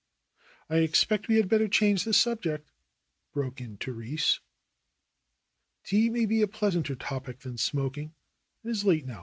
"I expect we had better change the subject," broke in Therese. "Tea may be a pleasanter topic than smoking. It is late now.